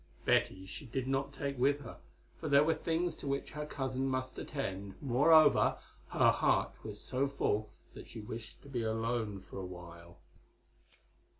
Betty she did not take with her, for there were things to which her cousin must attend; moreover, her heart was so full that she wished to be alone a while.